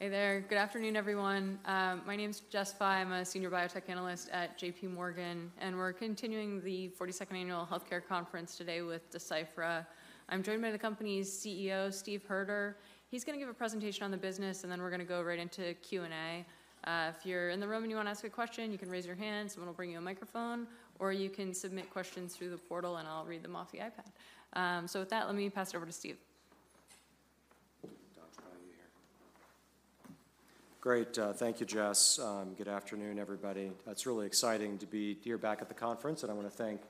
Hey there. Good afternoon, everyone. My name is Jessica Fye. I'm a senior biotech analyst at J.P. Morgan, and we're continuing the 42nd annual Healthcare Conference today with Deciphera. I'm joined by the company's CEO, Steven Hoerter. He's going to give a presentation on the business, and then we're going to go right into Q&A. If you're in the room and you want to ask a question, you can raise your hand, someone will bring you a microphone, or you can submit questions through the portal, and I'll read them off the iPad. So with that, let me pass it over to Steve. Great. Thank you, Jess. Good afternoon, everybody. It's really exciting to be here back at the conference, and I want to thank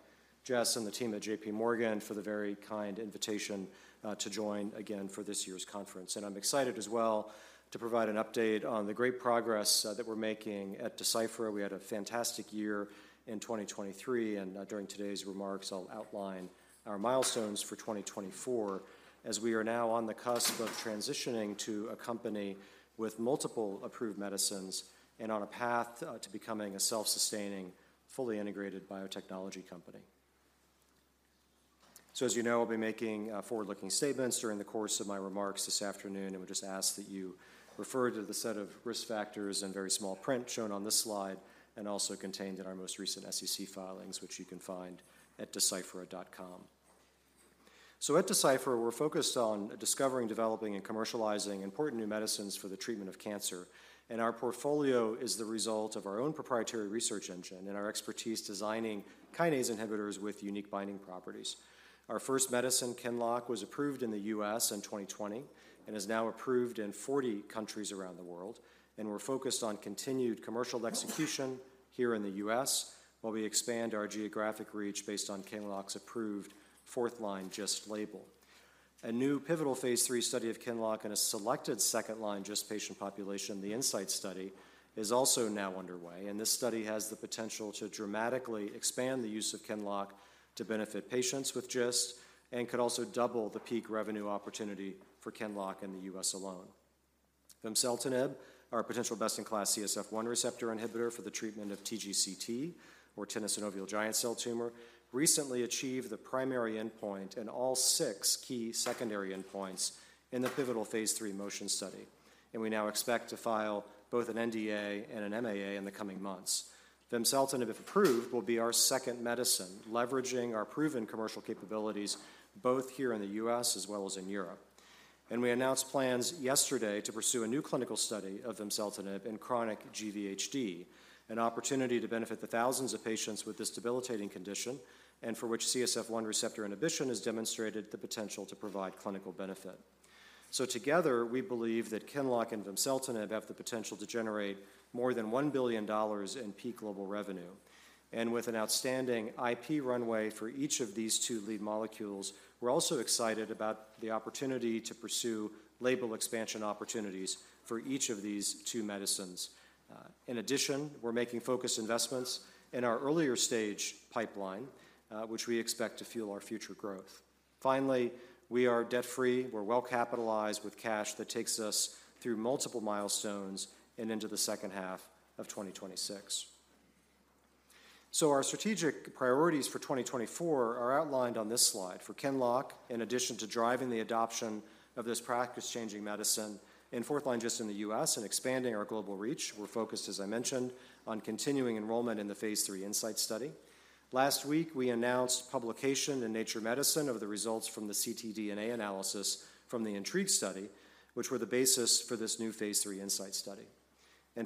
Jess and the team at JPMorgan for the very kind invitation to join again for this year's conference. And I'm excited as well to provide an update on the great progress that we're making at Deciphera. We had a fantastic year in 2023, and during today's remarks, I'll outline our milestones for 2024, as we are now on the cusp of transitioning to a company with multiple approved medicines and on a path to becoming a self-sustaining, fully integrated biotechnology company. So as you know, I'll be making forward-looking statements during the course of my remarks this afternoon and would just ask that you refer to the set of risk factors in very small print shown on this slide and also contained in our most recent SEC filings, which you can find at deciphera.com. At Deciphera, we're focused on discovering, developing, and commercializing important new medicines for the treatment of cancer, and our portfolio is the result of our own proprietary research engine and our expertise designing kinase inhibitors with unique binding properties. Our first medicine, QINLOCK, was approved in the U.S. in 2020 and is now approved in 40 countries around the world, and we're focused on continued commercial execution here in the U.S., while we expand our geographic reach based on QINLOCK's approved fourth-line GIST label. A new pivotal Phase III study of QINLOCK in a selected second-line GIST patient population, the INSIGHT study, is also now underway, and this study has the potential to dramatically expand the use of QINLOCK to benefit patients with GIST and could also double the peak revenue opportunity for QINLOCK in the U.S. alone. Vimseltinib, our potential best-in-class CSF1 receptor inhibitor for the treatment of TGCT, or tenosynovial giant cell tumor, recently achieved the primary endpoint and all six key secondary endpoints in the pivotal Phase III MOTION study, and we now expect to file both an NDA and an MAA in the coming months. Vimseltinib, if approved, will be our second medicine, leveraging our proven commercial capabilities both here in the U.S. as well as in Europe. We announced plans yesterday to pursue a new clinical study of vimseltinib in chronic GVHD, an opportunity to benefit the thousands of patients with this debilitating condition and for which CSF1 receptor inhibition has demonstrated the potential to provide clinical benefit. So together, we believe that QINLOCK and vimseltinib have the potential to generate more than $1 billion in peak global revenue. And with an outstanding IP runway for each of these two lead molecules, we're also excited about the opportunity to pursue label expansion opportunities for each of these two medicines. In addition, we're making focused investments in our earlier stage pipeline, which we expect to fuel our future growth. Finally, we are debt-free. We're well-capitalized with cash that takes us through multiple milestones and into the second half of 2026. So our strategic priorities for 2024 are outlined on this slide. For QINLOCK, in addition to driving the adoption of this practice-changing medicine in fourth line just in the U.S. and expanding our global reach, we're focused, as I mentioned, on continuing enrollment in the phase III INSIGHT study. Last week, we announced publication in Nature Medicine of the results from the ctDNA analysis from the INTRIGUE study, which were the basis for this new phase III INSIGHT study.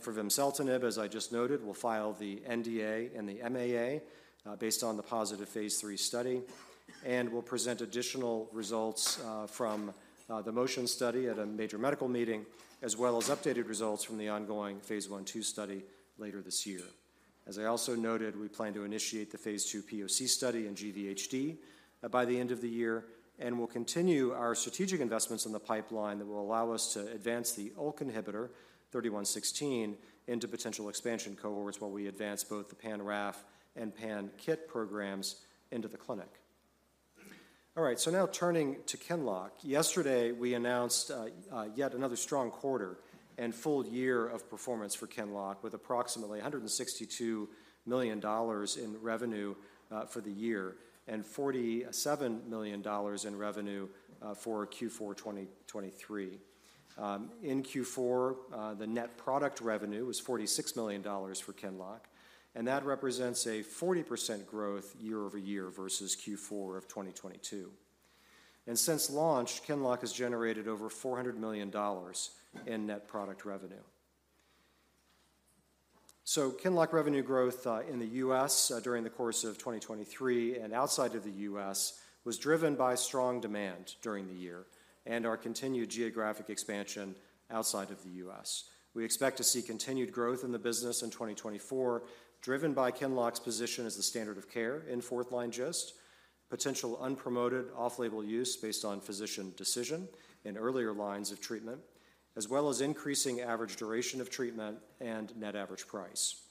For vimseltinib, as I just noted, we'll file the NDA and the MAA based on the positive phase III study, and we'll present additional results from the MOTION study at a major medical meeting, as well as updated results from the ongoing phase I/II study later this year. As I also noted, we plan to initiate the phase II POC study in GVHD by the end of the year, and we'll continue our strategic investments in the pipeline that will allow us to advance the ULK inhibitor DCC-3116 into potential expansion cohorts while we advance both the pan-RAF and pan-KIT programs into the clinic. All right, so now turning to QINLOCK. Yesterday, we announced yet another strong quarter and full year of performance for QINLOCK, with approximately $162 million in revenue for the year and $47 million in revenue for Q4 2023. In Q4, the net product revenue was $46 million for QINLOCK, and that represents 40% growth year-over-year versus Q4 of 2022. Since launch, QINLOCK has generated over $400 million in net product revenue. So QINLOCK revenue growth in the U.S. during the course of 2023 and outside of the U.S. was driven by strong demand during the year and our continued geographic expansion outside of the U.S. We expect to see continued growth in the business in 2024, driven by QINLOCK's position as the standard of care in fourth-line GIST, potential unpromoted off-label use based on physician decision in earlier lines of treatment, as well as increasing average duration of treatment and net average price.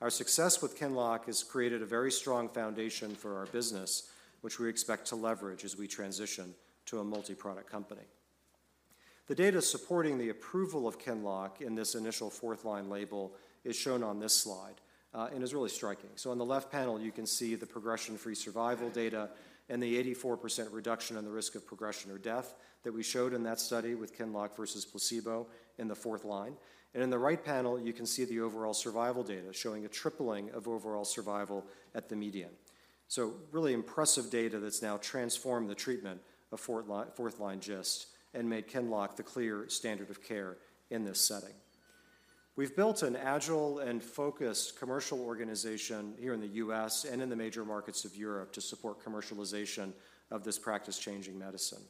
Our success with QINLOCK has created a very strong foundation for our business, which we expect to leverage as we transition to a multi-product company. The data supporting the approval of QINLOCK in this initial fourth-line label is shown on this slide and is really striking. So on the left panel, you can see the progression-free survival data and the 84% reduction in the risk of progression or death that we showed in that study with QINLOCK versus placebo in the fourth line. And in the right panel, you can see the overall survival data showing a tripling of overall survival at the median. Really impressive data that's now transformed the treatment of fourth line, fourth line GIST and made QINLOCK the clear standard of care in this setting. We've built an agile and focused commercial organization here in the U.S. and in the major markets of Europe to support commercialization of this practice-changing medicine.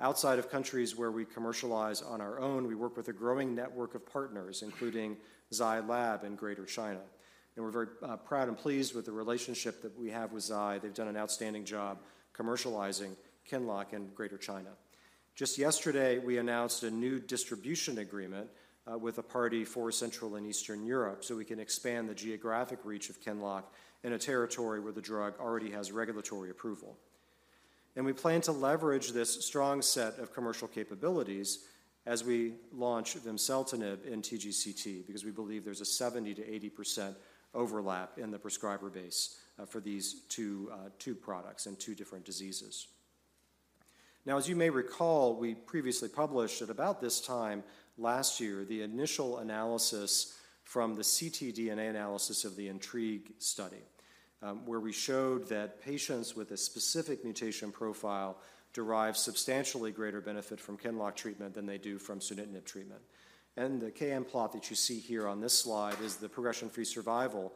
Outside of countries where we commercialize on our own, we work with a growing network of partners, including Zai Lab in Greater China, and we're very, proud and pleased with the relationship that we have with Zai. They've done an outstanding job commercializing QINLOCK in Greater China. Just yesterday, we announced a new distribution agreement with a party for Central and Eastern Europe, so we can expand the geographic reach of QINLOCK in a territory where the drug already has regulatory approval. And we plan to leverage this strong set of commercial capabilities as we launch vimseltinib in TGCT, because we believe there's a 70%-80% overlap in the prescriber base for these two products and two different diseases. Now, as you may recall, we previously published at about this time last year the initial analysis from the ctDNA analysis of the INTRIGUE study, where we showed that patients with a specific mutation profile derive substantially greater benefit from QINLOCK treatment than they do from sunitinib treatment. The KM plot that you see here on this slide is the progression-free survival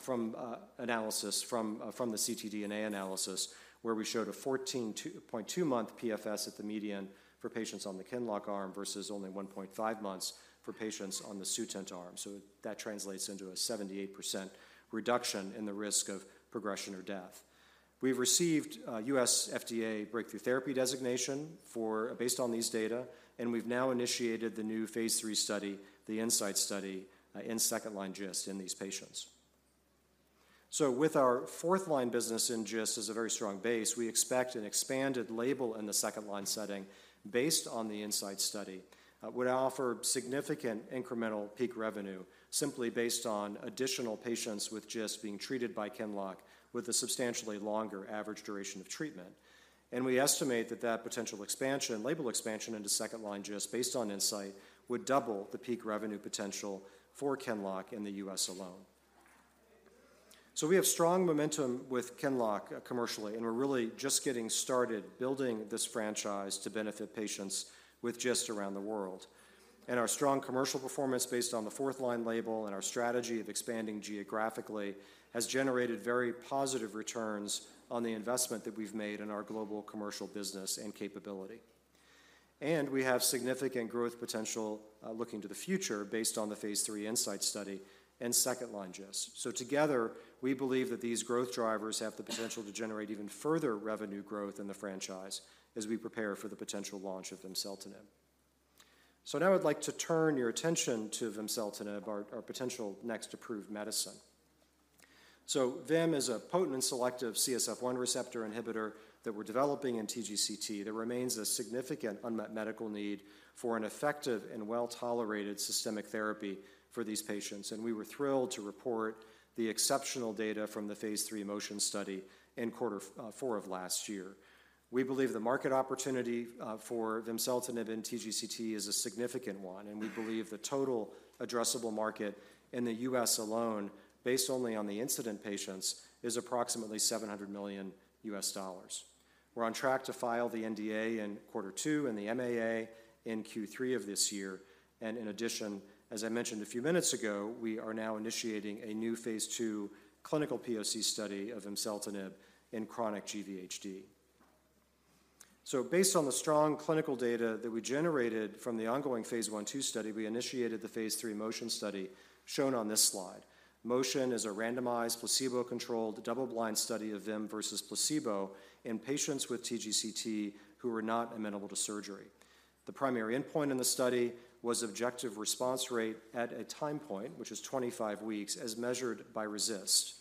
from the ctDNA analysis, where we showed a 14.2-month PFS at the median for patients on the QINLOCK arm versus only 1.5 months for patients on the Sutent arm. So that translates into a 78% reduction in the risk of progression or death. We've received U.S. FDA breakthrough therapy designation for based on these data, and we've now initiated the new phase III study, the INSIGHT study, in second-line GIST in these patients. So with our fourth-line business in GIST as a very strong base, we expect an expanded label in the second-line setting based on the INSIGHT study would offer significant incremental peak revenue simply based on additional patients with GIST being treated by QINLOCK with a substantially longer average duration of treatment. And we estimate that that potential expansion, label expansion into second-line GIST based on INSIGHT, would double the peak revenue potential for QINLOCK in the U.S. alone. So we have strong momentum with QINLOCK commercially, and we're really just getting started building this franchise to benefit patients with GIST around the world. And our strong commercial performance based on the fourth line label and our strategy of expanding geographically has generated very positive returns on the investment that we've made in our global commercial business and capability. We have significant growth potential, looking to the future based on the phase III INSIGHT study and second-line GIST. Together, we believe that these growth drivers have the potential to generate even further revenue growth in the franchise as we prepare for the potential launch of vimseltinib. Now I'd like to turn your attention to vimseltinib, our potential next approved medicine. Vim is a potent and selective CSF1 receptor inhibitor that we're developing in TGCT. There remains a significant unmet medical need for an effective and well-tolerated systemic therapy for these patients, and we were thrilled to report the exceptional data from the phase III MOTION study in quarter four of last year. We believe the market opportunity for vimseltinib in TGCT is a significant one, and we believe the total addressable market in the U.S. alone, based only on the incident patients, is approximately $700 million. We're on track to file the NDA in quarter two and the MAA in Q3 of this year. In addition, as I mentioned a few minutes ago, we are now initiating a new phase II clinical POC study of vimseltinib in chronic GVHD. Based on the strong clinical data that we generated from the ongoing phase I/II study, we initiated the phase III MOTION study shown on this slide. MOTION is a randomized, placebo-controlled, double-blind study of Vim versus placebo in patients with TGCT who were not amenable to surgery. The primary endpoint in the study was objective response rate at a time point, which is 25 weeks, as measured by RECIST.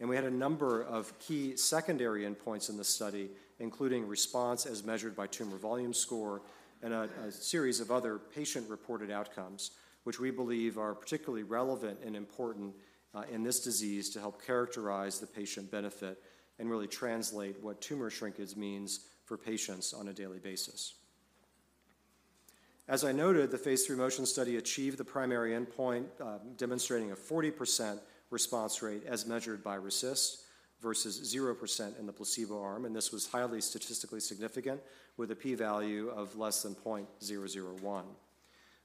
We had a number of key secondary endpoints in the study, including response as measured by tumor volume score and a series of other patient-reported outcomes, which we believe are particularly relevant and important in this disease to help characterize the patient benefit and really translate what tumor shrinkage means for patients on a daily basis. As I noted, the phase III MOTION study achieved the primary endpoint, demonstrating a 40% response rate as measured by RECIST versus 0% in the placebo arm, and this was highly statistically significant with a p-value of less than 0.001.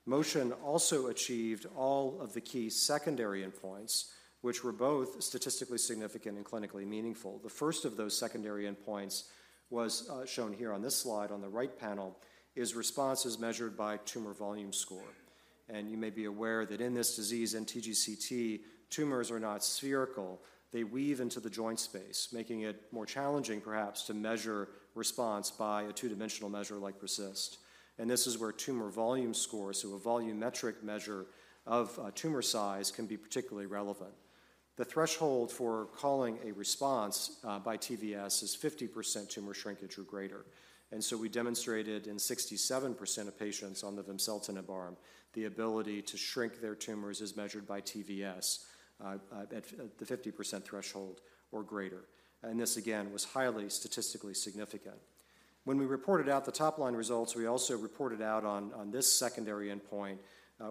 MOTION also achieved all of the key secondary endpoints, which were both statistically significant and clinically meaningful. The first of those secondary endpoints was shown here on this slide on the right panel, is responses measured by tumor volume score. You may be aware that in this disease, in TGCT, tumors are not spherical. They weave into the joint space, making it more challenging, perhaps, to measure response by a two-dimensional measure like RECIST. This is where tumor volume scores, so a volumetric measure of tumor size, can be particularly relevant.... The threshold for calling a response by TVS is 50% tumor shrinkage or greater. So we demonstrated in 67% of patients on the vimseltinib arm, the ability to shrink their tumors as measured by TVS at the 50% threshold or greater. This, again, was highly statistically significant. When we reported out the top line results, we also reported out on, on this secondary endpoint,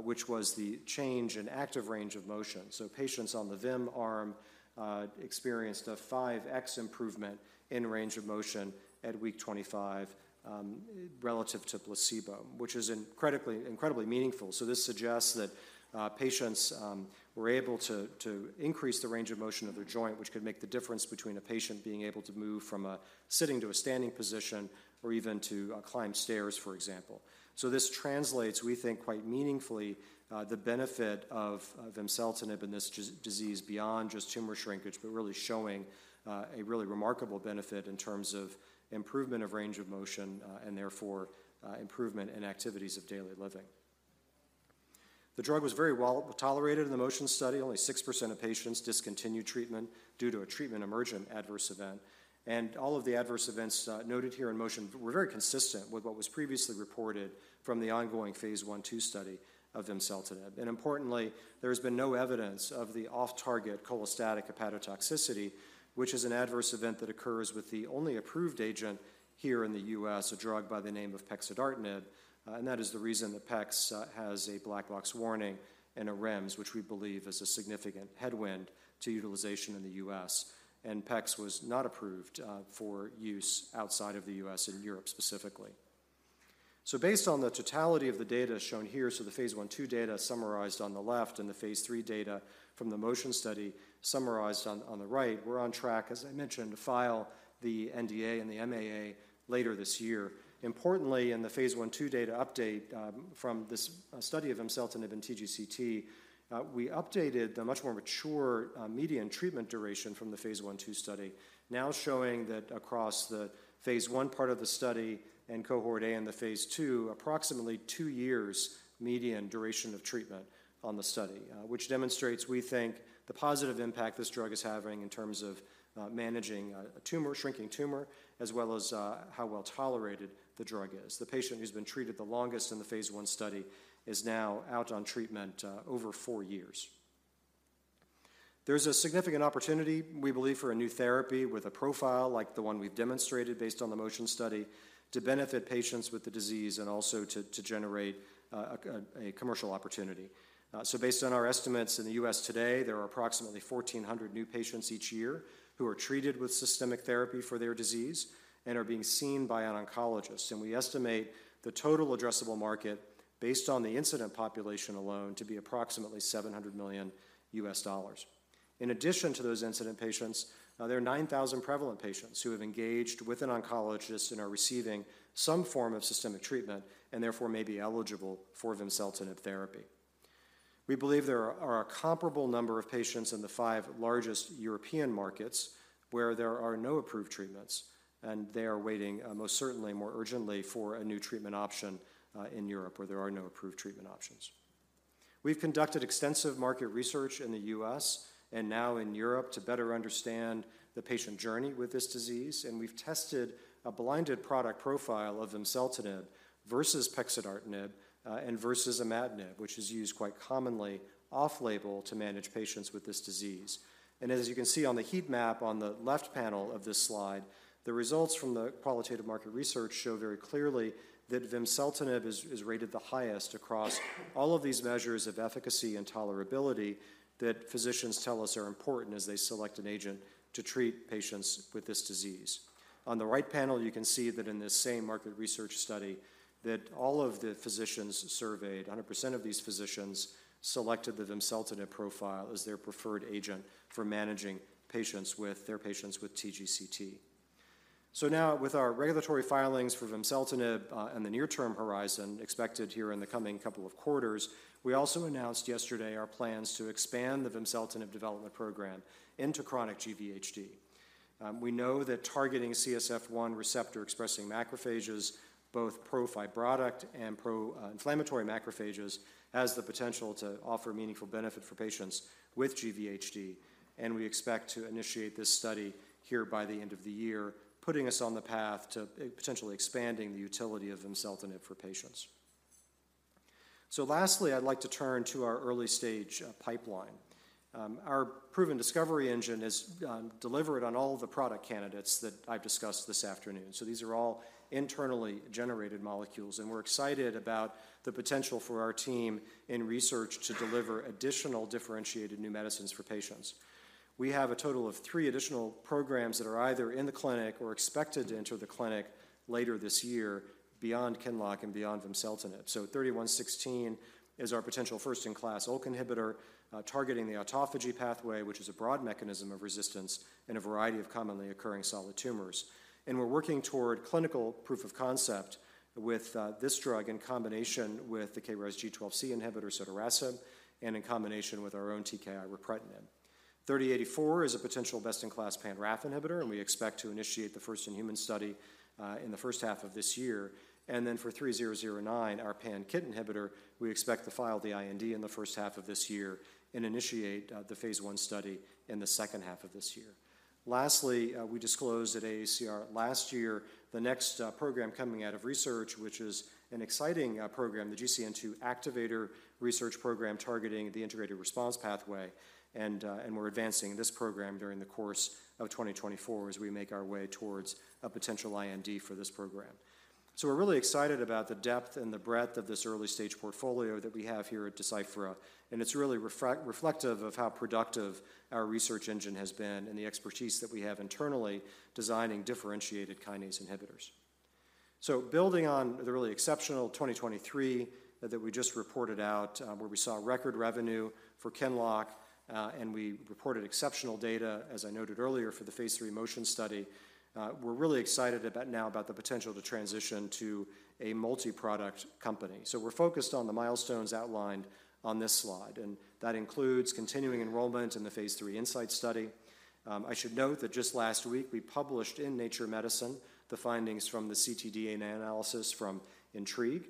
which was the change in active range of motion. So patients on the Vim arm experienced a 5x improvement in range of motion at week 25, relative to placebo, which is incredibly, incredibly meaningful. So this suggests that patients were able to increase the range of motion of their joint, which could make the difference between a patient being able to move from a sitting to a standing position or even to climb stairs, for example. So this translates, we think, quite meaningfully the benefit of Vimseltinib in this disease beyond just tumor shrinkage, but really showing a really remarkable benefit in terms of improvement of range of motion and therefore improvement in activities of daily living. The drug was very well tolerated in the MOTION study. Only 6% of patients discontinued treatment due to a treatment emergent adverse event, and all of the adverse events noted here in MOTION were very consistent with what was previously reported from the ongoing phase I, II study of vimseltinib. Importantly, there has been no evidence of the off-target cholestatic hepatotoxicity, which is an adverse event that occurs with the only approved agent here in the U.S., a drug by the name of pexidartinib, and that is the reason that PEX has a black box warning and a REMS, which we believe is a significant headwind to utilization in the U.S. PEX was not approved for use outside of the U.S. and Europe specifically. So based on the totality of the data shown here, so the phase I,II data summarized on the left and the phase III data from the MOTION study summarized on the right, we're on track, as I mentioned, to file the NDA and the MAA later this year. Importantly, in the phase I,II data update from this study of vimseltinib in TGCT, we updated the much more mature median treatment duration from the phase I,II study, now showing that across the phase I part of the study and cohort A in the phase II, approximately two years median duration of treatment on the study, which demonstrates, we think, the positive impact this drug is having in terms of managing a tumor, shrinking tumor, as well as how well tolerated the drug is. The patient who's been treated the longest in the phase I study is now out on treatment over four years. There's a significant opportunity, we believe, for a new therapy with a profile like the one we've demonstrated based on the MOTION study, to benefit patients with the disease and also to generate a commercial opportunity. So based on our estimates in the U.S. today, there are approximately 1,400 new patients each year who are treated with systemic therapy for their disease and are being seen by an oncologist. And we estimate the total addressable market based on the incident population alone to be approximately $700 million. In addition to those incident patients, there are 9,000 prevalent patients who have engaged with an oncologist and are receiving some form of systemic treatment and therefore may be eligible for vimseltinib therapy. We believe there are a comparable number of patients in the five largest European markets where there are no approved treatments, and they are waiting, most certainly more urgently for a new treatment option, in Europe, where there are no approved treatment options. We've conducted extensive market research in the U.S. and now in Europe to better understand the patient journey with this disease, and we've tested a blinded product profile of vimseltinib versus pexidartinib, and versus imatinib, which is used quite commonly off-label to manage patients with this disease. As you can see on the heat map on the left panel of this slide, the results from the qualitative market research show very clearly that vimseltinib is rated the highest across all of these measures of efficacy and tolerability that physicians tell us are important as they select an agent to treat patients with this disease. On the right panel, you can see that in this same market research study, that all of the physicians surveyed, 100% of these physicians, selected the vimseltinib profile as their preferred agent for managing their patients with TGCT. Now with our regulatory filings for vimseltinib and the near-term horizon expected here in the coming couple of quarters, we also announced yesterday our plans to expand the vimseltinib development program into chronic GVHD. We know that targeting CSF1 receptor expressing macrophages, both pro-fibrotic and pro-inflammatory macrophages, has the potential to offer meaningful benefit for patients with GVHD, and we expect to initiate this study here by the end of the year, putting us on the path to potentially expanding the utility of vimseltinib for patients. So lastly, I'd like to turn to our early stage pipeline. Our proven discovery engine has delivered on all the product candidates that I've discussed this afternoon. So these are all internally generated molecules, and we're excited about the potential for our team in research to deliver additional differentiated new medicines for patients. We have a total of three additional programs that are either in the clinic or expected to enter the clinic later this year beyond QINLOCK and beyond vimseltinib. DCC-3116 is our potential first-in-class ULK inhibitor, targeting the autophagy pathway, which is a broad mechanism of resistance in a variety of commonly occurring solid tumors. We're working toward clinical proof of concept with this drug in combination with the KRAS G12C inhibitor, sotorasib, and in combination with our own TKI, ripretinib. DCC-3084 is a potential best-in-class pan-RAF inhibitor, and we expect to initiate the first-in-human study in the first half of this year. For DCC-3009, our pan-KIT inhibitor, we expect to file the IND in the first half of this year and initiate the phase 1 study in the second half of this year. Lastly, we disclosed at AACR last year the next program coming out of research, which is an exciting program, the GCN2 activator research program, targeting the integrated stress response pathway. And we're advancing this program during the course of 2024 as we make our way towards a potential IND for this program. So we're really excited about the depth and the breadth of this early-stage portfolio that we have here at Deciphera, and it's really reflective of how productive our research engine has been and the expertise that we have internally designing differentiated kinase inhibitors. So building on the really exceptional 2023 that we just reported out, where we saw record revenue for QINLOCK, and we reported exceptional data, as I noted earlier, for the phase III MOTION study. We're really excited about now about the potential to transition to a multi-product company. So we're focused on the milestones outlined on this slide, and that includes continuing enrollment in the phase III INSIGHT study. I should note that just last week, we published in Nature Medicine the findings from the ctDNA analysis from INTRIGUE,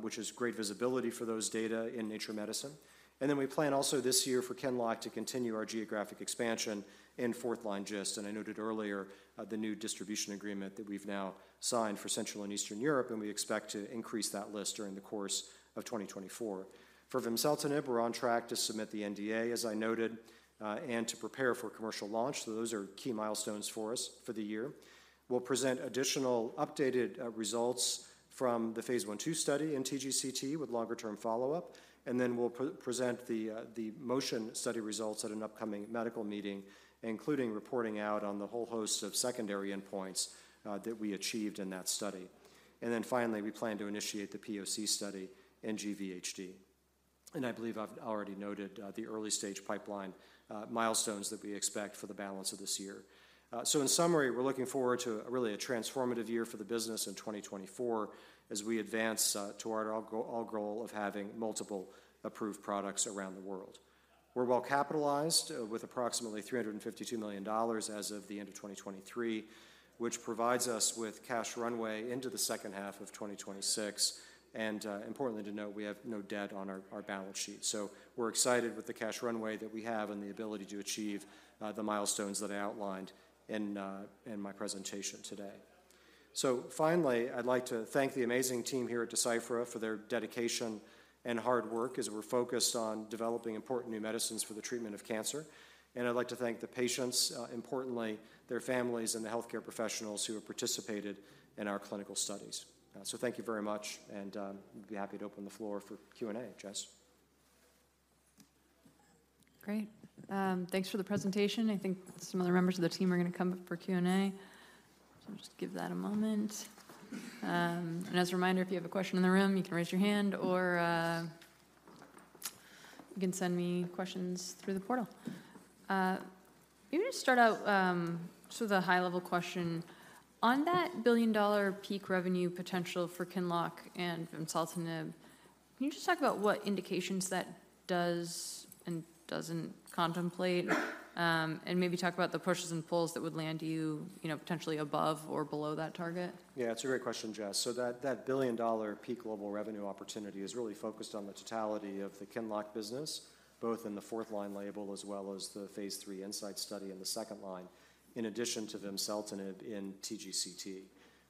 which is great visibility for those data in Nature Medicine. And then we plan also this year for QINLOCK to continue our geographic expansion in fourth-line GIST. And I noted earlier the new distribution agreement that we've now signed for Central and Eastern Europe, and we expect to increase that list during the course of 2024. For vimseltinib, we're on track to submit the NDA, as I noted, and to prepare for commercial launch. So those are key milestones for us for the year. We'll present additional updated results from the phase I/II study in TGCT with longer-term follow-up, and then we'll pre-present the MOTION study results at an upcoming medical meeting, including reporting out on the whole host of secondary endpoints that we achieved in that study. And then finally, we plan to initiate the POC study in GVHD. And I believe I've already noted the early-stage pipeline milestones that we expect for the balance of this year. So in summary, we're looking forward to really a transformative year for the business in 2024, as we advance to our goal of having multiple approved products around the world. We're well-capitalized with approximately $352 million as of the end of 2023, which provides us with cash runway into the second half of 2026. Importantly, to note, we have no debt on our balance sheet. So we're excited with the cash runway that we have and the ability to achieve the milestones that I outlined in my presentation today. So finally, I'd like to thank the amazing team here at Deciphera for their dedication and hard work as we're focused on developing important new medicines for the treatment of cancer. And I'd like to thank the patients, importantly, their families and the healthcare professionals who have participated in our clinical studies. So thank you very much, and I'd be happy to open the floor for Q&A. Jess? Great. Thanks for the presentation. I think some other members of the team are going to come up for Q&A. So just give that a moment. And as a reminder, if you have a question in the room, you can raise your hand or, you can send me questions through the portal. I'm gonna start out, just with a high-level question. On that $1 billion peak revenue potential for QINLOCK and vimseltinib, can you just talk about what indications that does and doesn't contemplate? And maybe talk about the pushes and pulls that would land you, you know, potentially above or below that target. Yeah, it's a great question, Jess. So that, that billion-dollar peak global revenue opportunity is really focused on the totality of the QINLOCK business, both in the fourth-line label as well as the Phase III INSIGHT study in the second line, in addition to vimseltinib in TGCT.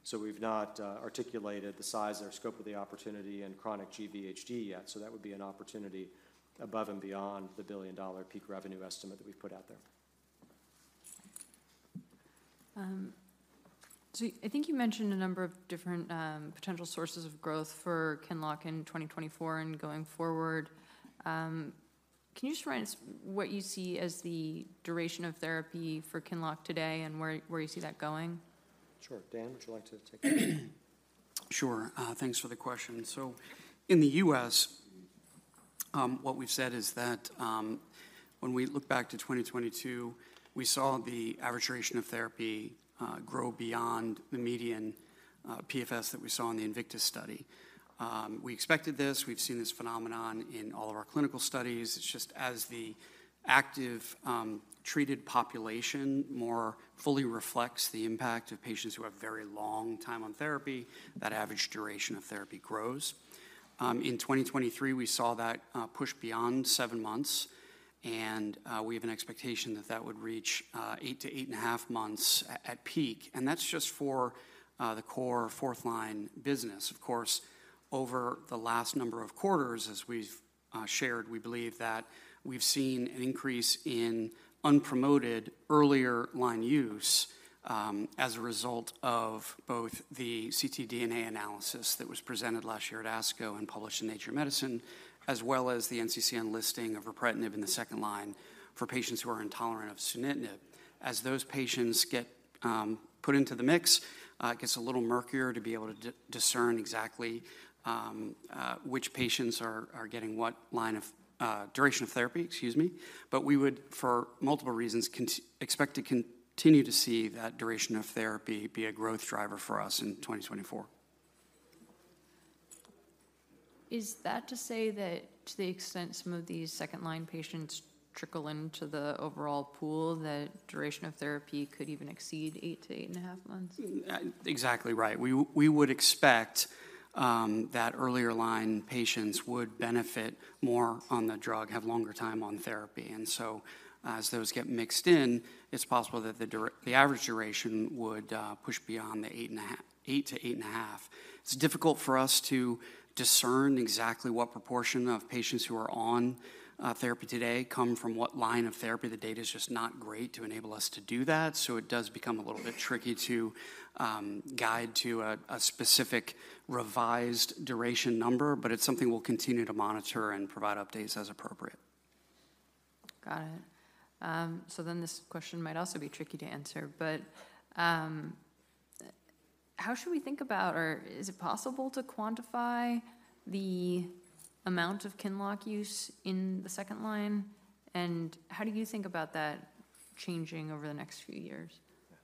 So we've not articulated the size or scope of the opportunity in chronic GVHD yet, so that would be an opportunity above and beyond the billion-dollar peak revenue estimate that we've put out there. I think you mentioned a number of different potential sources of growth for QINLOCK in 2024 and going forward. Can you just remind us what you see as the duration of therapy for QINLOCK today and where, where you see that going? Sure. Dan, would you like to take that? Sure. Thanks for the question. So in the U.S, what we've said is that, when we look back to 2022, we saw the average duration of therapy grow beyond the median PFS that we saw in the INVICTUS study. We expected this. We've seen this phenomenon in all of our clinical studies. It's just as the active treated population more fully reflects the impact of patients who have very long time on therapy, that average duration of therapy grows. In 2023, we saw that push beyond seven months, and we have an expectation that that would reach eight-eight and half months at peak, and that's just for the core fourth-line business. Of course, over the last number of quarters, as we've shared, we believe that we've seen an increase in unpromoted earlier line use, as a result of both the ctDNA analysis that was presented last year at ASCO and published in Nature Medicine, as well as the NCCN listing of ripretinib in the second line for patients who are intolerant of sunitinib. As those patients get put into the mix, it gets a little murkier to be able to discern exactly, which patients are getting what line of duration of therapy, excuse me. But we would, for multiple reasons, expect to continue to see that duration of therapy be a growth driver for us in 2024.... Is that to say that to the extent some of these second-line patients trickle into the overall pool, that duration of therapy could even exceed eight-eight and half months months? Exactly right. We would expect that earlier line patients would benefit more on the drug, have longer time on therapy. And so as those get mixed in, it's possible that the average duration would push beyond the 8 to 8.5. It's difficult for us to discern exactly what proportion of patients who are on therapy today come from what line of therapy. The data is just not great to enable us to do that, so it does become a little bit tricky to guide to a specific revised duration number, but it's something we'll continue to monitor and provide updates as appropriate. Got it. So then this question might also be tricky to answer, but, how should we think about, or is it possible to quantify the amount of QINLOCK use in the second line? And how do you think about that changing over the next few years? Yeah.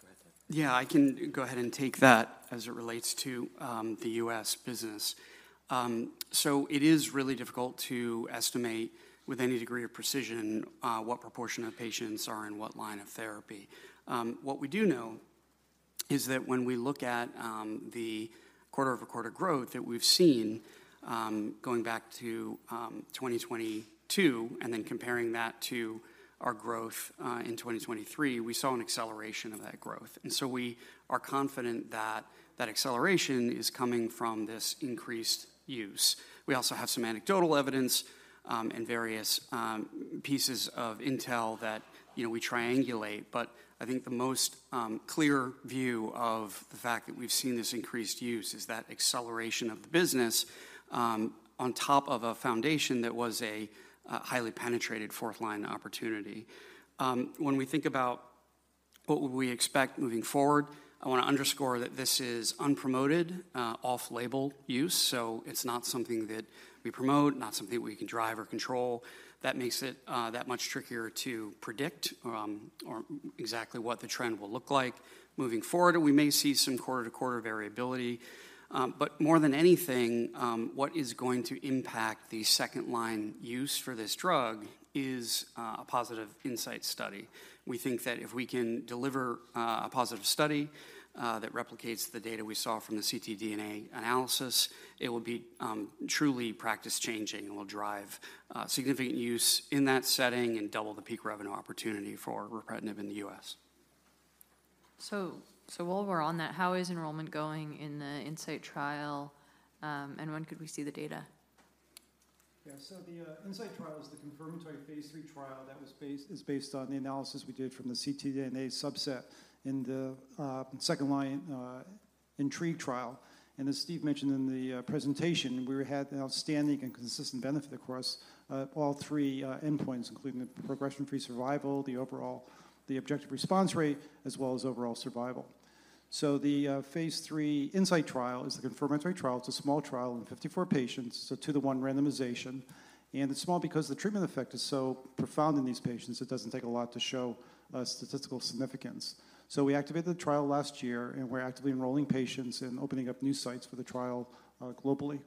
Go ahead. Yeah, I can go ahead and take that as it relates to the U.S. business. So it is really difficult to estimate with any degree of precision what proportion of patients are in what line of therapy. What we do know is that when we look at the quarter-over-quarter growth that we've seen, going back to 2022 and then comparing that to our growth in 2023, we saw an acceleration of that growth. And so we are confident that that acceleration is coming from this increased use. We also have some anecdotal evidence and various pieces of intel that, you know, we triangulate. But I think the most clear view of the fact that we've seen this increased use is that acceleration of the business, on top of a foundation that was a highly penetrated fourth line opportunity. When we think about what would we expect moving forward, I want to underscore that this is unpromoted, off-label use, so it's not something that we promote, not something we can drive or control. That makes it that much trickier to predict, or exactly what the trend will look like. Moving forward, we may see some quarter-to-quarter variability, but more than anything, what is going to impact the second line use for this drug is a positive INSIGHT study. We think that if we can deliver a positive study that replicates the data we saw from the ctDNA analysis, it will be truly practice-changing and will drive significant use in that setting and double the peak revenue opportunity for ripretinib in the U.S. So, while we're on that, how is enrollment going in the INSIGHT trial, and when could we see the data? Yeah. So the INSIGHT trial is the confirmatory phase III trial that is based on the analysis we did from the ctDNA subset in the second-line INTRIGUE trial. As Steve mentioned in the presentation, we had an outstanding and consistent benefit across all 3 endpoints, including the progression-free survival, the objective response rate, as well as overall survival. So the phase III INSIGHT trial is the confirmatory trial. It's a small trial in 54 patients, so two to one randomization, and it's small because the treatment effect is so profound in these patients, it doesn't take a lot to show statistical significance. So we activated the trial last year, and we're actively enrolling patients and opening up new sites for the trial globally.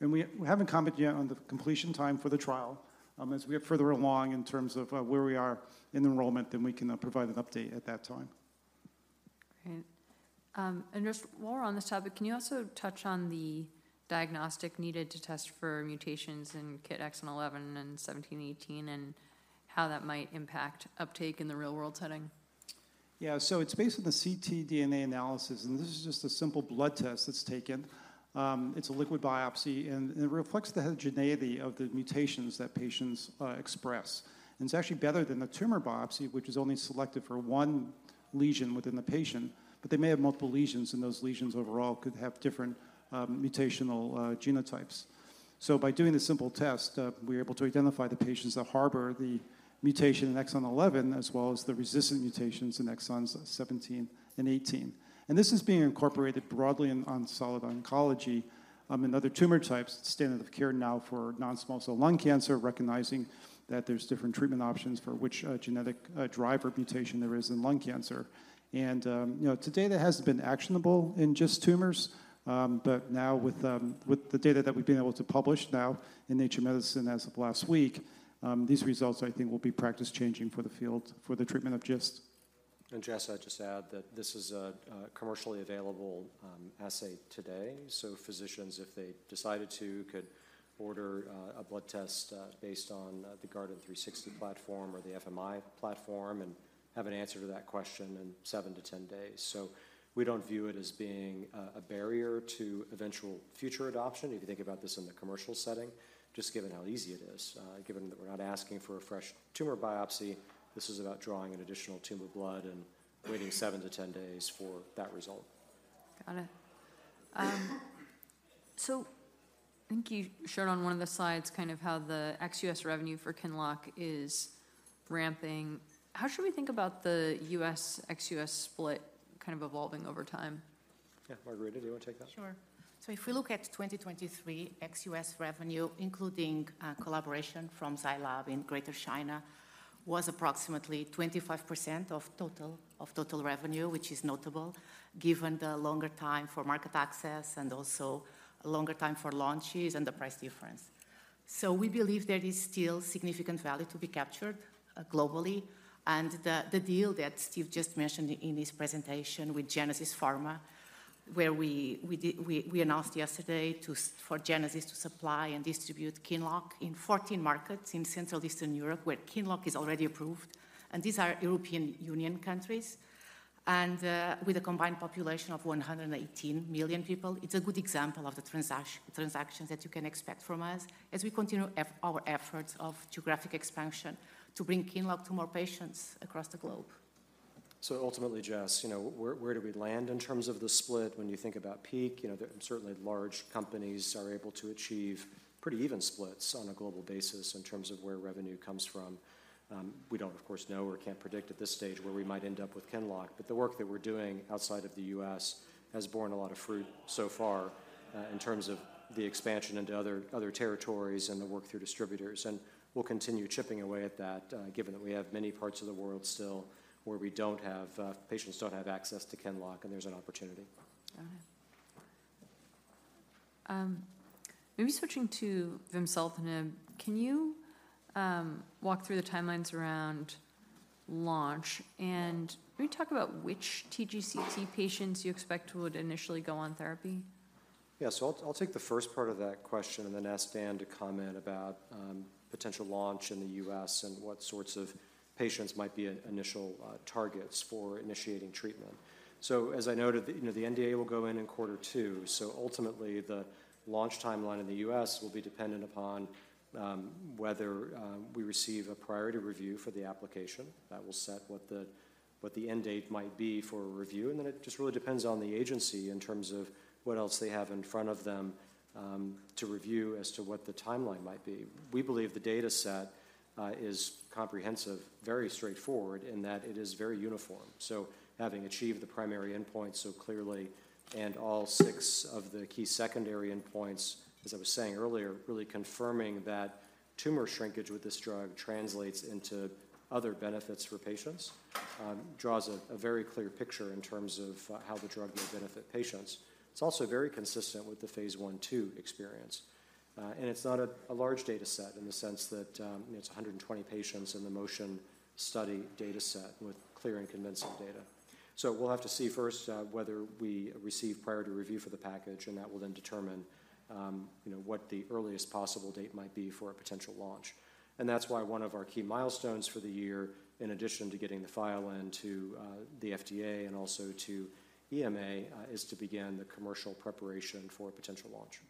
And we haven't commented yet on the completion time for the trial. As we get further along in terms of where we are in the enrollment, then we can provide an update at that time. Great. And just while we're on this topic, can you also touch on the diagnostic needed to test for mutations in KIT exon 11 and 17, 18, and how that might impact uptake in the real-world setting? Yeah. So it's based on the ctDNA analysis, and this is just a simple blood test that's taken. It's a liquid biopsy, and it reflects the heterogeneity of the mutations that patients express. And it's actually better than a tumor biopsy, which is only selected for one lesion within the patient, but they may have multiple lesions, and those lesions overall could have different mutational genotypes. So by doing this simple test, we're able to identify the patients that harbor the mutation in exon 11, as well as the resistant mutations in exons 17 and 18. And this is being incorporated broadly in solid oncology, and other tumor types. Standard of care now for non-small cell lung cancer, recognizing that there's different treatment options for which genetic driver mutation there is in lung cancer. You know, today that has been actionable in just tumors, but now with the data that we've been able to publish now in Nature Medicine as of last week, these results, I think, will be practice-changing for the field for the treatment of GIST. Jess, I'd just add that this is a commercially available assay today, so physicians, if they decided to, could order a blood test based on the Guardant360 platform or the FMI platform and have an answer to that question in seven-10 days. We don't view it as being a barrier to eventual future adoption. If you think about this in the commercial setting, just given how easy it is, given that we're not asking for a fresh tumor biopsy, this is about drawing an additional tube of blood and waiting seven-10 days for that result. Got it. So I think you showed on one of the slides kind of how the ex-U.S. revenue for QINLOCK is ramping. How should we think about the U.S., ex-U.S. split kind of evolving over time? Yeah. Margarida, do you want to take that? Sure.... So if we look at 2023, ex-U.S. revenue, including collaboration from Zai Lab in Greater China, was approximately 25% of total revenue, which is notable given the longer time for market access and also a longer time for launches and the price difference. So we believe there is still significant value to be captured globally, and the deal that Steve just mentioned in his presentation with Genesis Pharma, where we announced yesterday for Genesis to supply and distribute QINLOCK in 14 markets in Central and Eastern Europe, where QINLOCK is already approved. These are European Union countries with a combined population of 118 million people. It's a good example of the transactions that you can expect from us as we continue our efforts of geographic expansion to bring QINLOCK to more patients across the globe. So ultimately, Jess, you know, where, where do we land in terms of the split when you think about peak? You know, there certainly large companies are able to achieve pretty even splits on a global basis in terms of where revenue comes from. We don't of course know or can't predict at this stage where we might end up with QINLOCK, but the work that we're doing outside of the U.S. has borne a lot of fruit so far, in terms of the expansion into other territories and the work through distributors. And we'll continue chipping away at that, given that we have many parts of the world still where we don't have... patients don't have access to QINLOCK, and there's an opportunity. Okay. Maybe switching to vimseltinib, can you walk through the timelines around launch? Can you talk about which TGCT patients you expect would initially go on therapy? Yeah. So I'll take the first part of that question and then ask Dan to comment about potential launch in the U.S. and what sorts of patients might be an initial targets for initiating treatment. So as I noted, you know, the NDA will go in in quarter two, so ultimately the launch timeline in the U.S. will be dependent upon whether we receive a priority review for the application. That will set what the end date might be for a review, and then it just really depends on the agency in terms of what else they have in front of them to review as to what the timeline might be. We believe the data set is comprehensive, very straightforward in that it is very uniform. So having achieved the primary endpoint so clearly and all six of the key secondary endpoints, as I was saying earlier, really confirming that tumor shrinkage with this drug translates into other benefits for patients, draws a very clear picture in terms of how the drug may benefit patients. It's also very consistent with the phase I, II experience. And it's not a large data set in the sense that, you know, it's 120 patients in the MOTION study data set with clear and convincing data. So we'll have to see first whether we receive priority review for the package, and that will then determine, you know, what the earliest possible date might be for a potential launch. And that's why one of our key milestones for the year, in addition to getting the file in to the FDA and also to the EMA, is to begin the commercial preparation for a potential launch.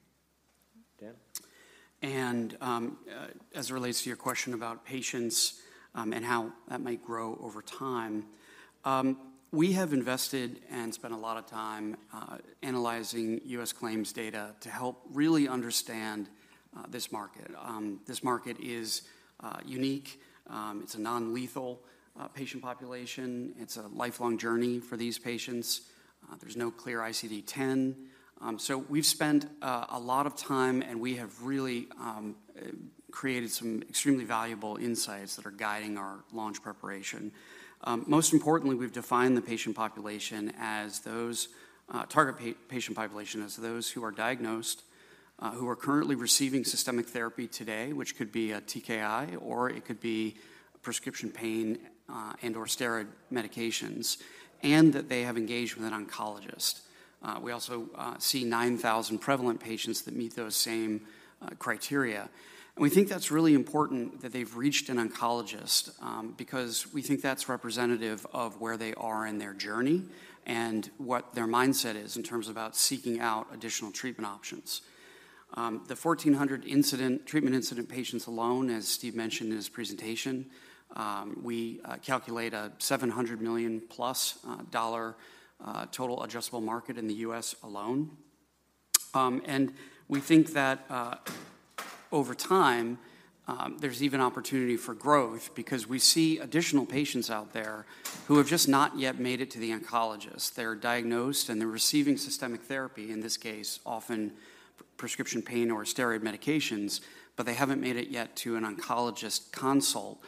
Dan? As it relates to your question about patients and how that might grow over time, we have invested and spent a lot of time analyzing U.S. claims data to help really understand this market. This market is unique. It's a non-lethal patient population. It's a lifelong journey for these patients. There's no clear ICD-10. So we've spent a lot of time, and we have really created some extremely valuable insights that are guiding our launch preparation. Most importantly, we've defined the patient population as those target patient population as those who are diagnosed who are currently receiving systemic therapy today, which could be a TKI, or it could be prescription pain and/or steroid medications, and that they have engaged with an oncologist. We also see 9,000 prevalent patients that meet those same criteria. We think that's really important that they've reached an oncologist, because we think that's representative of where they are in their journey and what their mindset is in terms about seeking out additional treatment options. The 1,400 incident treatment-naïve patients alone, as Steve mentioned in his presentation, we calculate a $700+ million total addressable market in the U.S. alone. We think that, over time, there's even opportunity for growth because we see additional patients out there who have just not yet made it to the oncologist. They're diagnosed, and they're receiving systemic therapy, in this case, often prescription pain or steroid medications, but they haven't made it yet to an oncologist consult.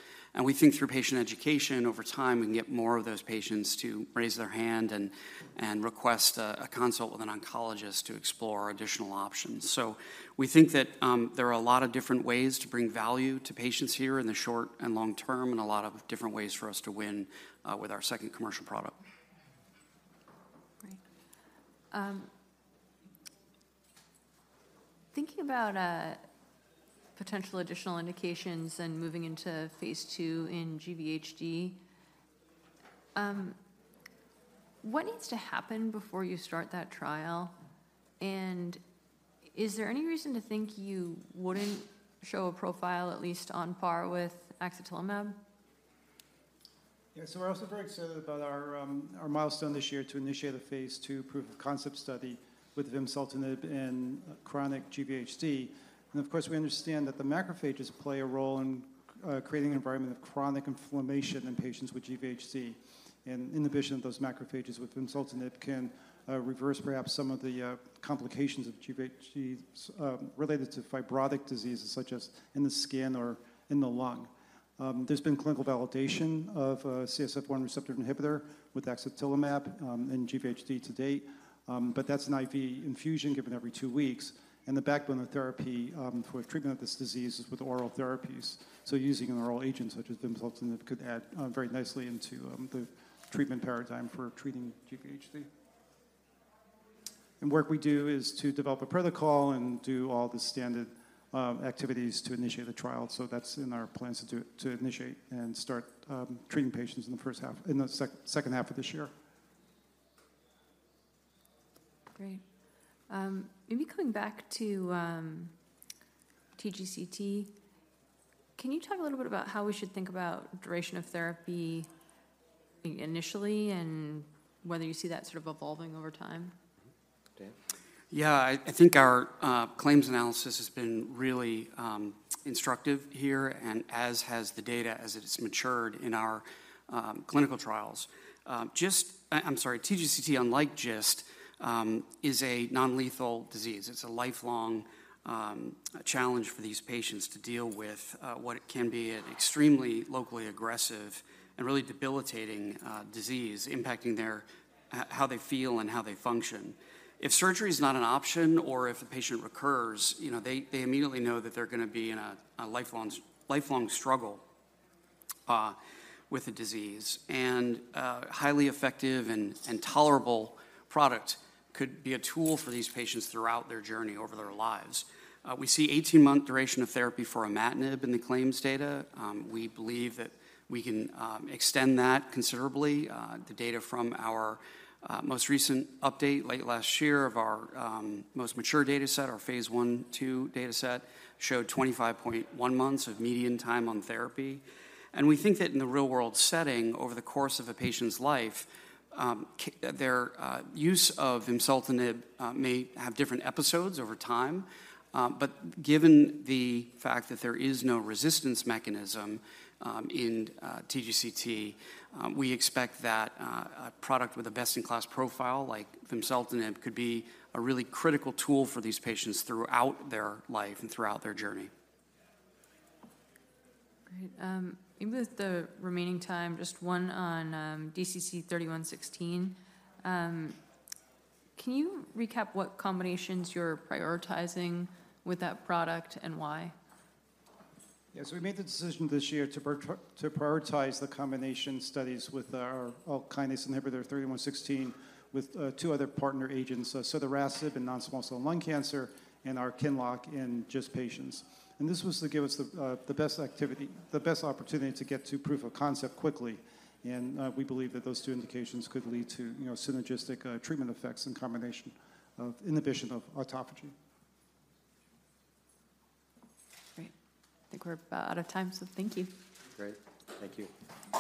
We think through patient education over time, we can get more of those patients to raise their hand and request a consult with an oncologist to explore additional options. We think that there are a lot of different ways to bring value to patients here in the short and long term, and a lot of different ways for us to win with our second commercial product. Great. Thinking about potential additional indications and moving into phase II in GVHD, what needs to happen before you start that trial? And is there any reason to think you wouldn't show a profile at least on par with axatilimab? Yeah. So we're also very excited about our our milestone this year to initiate a phase II proof of concept study with vimseltinib in-... chronic GVHD. Of course, we understand that the macrophages play a role in creating an environment of chronic inflammation in patients with GVHD, and inhibition of those macrophages with vimseltinib can reverse perhaps some of the complications of GVHD related to fibrotic diseases, such as in the skin or in the lung. There's been clinical validation of CSF1 receptor inhibitor with axatilimab in GVHD to date. But that's an IV infusion given every two weeks, and the backbone of therapy for treatment of this disease is with oral therapies. Using an oral agent, such as vimseltinib, could add very nicely into the treatment paradigm for treating GVHD. The work we do is to develop a protocol and do all the standard activities to initiate a trial. So that's in our plans to initiate and start treating patients in the second half of this year. Great. Maybe coming back to TGCT, can you talk a little bit about how we should think about duration of therapy initially and whether you see that sort of evolving over time? Dan? Yeah, I think our claims analysis has been really instructive here, and as has the data as it has matured in our clinical trials. GIST... I'm sorry, TGCT, unlike GIST, is a non-lethal disease. It's a lifelong challenge for these patients to deal with what it can be an extremely locally aggressive and really debilitating disease, impacting their... How they feel and how they function. If surgery is not an option or if the patient recurs, you know, they immediately know that they're gonna be in a lifelong struggle with the disease. Highly effective and tolerable product could be a tool for these patients throughout their journey over their lives. We see 18-month duration of therapy for imatinib in the claims data. We believe that we can extend that considerably. The data from our most recent update late last year of our most mature data set, our phase I and II data set, showed 25.1 months of median time on therapy. And we think that in the real-world setting, over the course of a patient's life, their use of vimseltinib may have different episodes over time. But given the fact that there is no resistance mechanism in TGCT, we expect that a product with a best-in-class profile like vimseltinib could be a really critical tool for these patients throughout their life and throughout their journey. Great. With the remaining time, just one on DCC-3116. Can you recap what combinations you're prioritizing with that product and why? Yes, we made the decision this year to prioritize the combination studies with our ULK kinase inhibitor, DCC-3116, with two other partner agents, so sotorasib in non-small cell lung cancer and our QINLOCK in GIST patients. This was to give us the best activity, the best opportunity to get to proof of concept quickly. We believe that those two indications could lead to, you know, synergistic treatment effects and combination of inhibition of autophagy. Great. I think we're about out of time, so thank you. Great. Thank you.